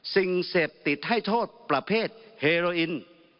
สิ่งเสพติดให้โทษประเภทเฮโรอิน